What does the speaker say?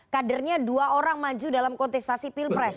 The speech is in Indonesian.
kadernya dua orang maju dalam kontestasi pilpres